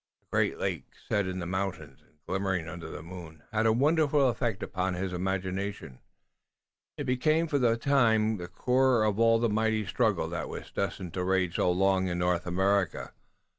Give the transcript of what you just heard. The great lake set in the mountains and glimmering under the moon had a wonderful effect upon his imagination. It became for the time the core of all the mighty struggle that was destined to rage so long in North America.